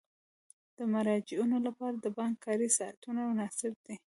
د مراجعینو لپاره د بانک کاري ساعتونه مناسب دي.